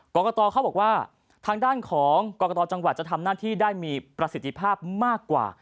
กรกตเขาบอกว่าทางด้านของกรกตจังหวัดจะทำหน้าที่ได้มีประสิทธิภาพมากกว่า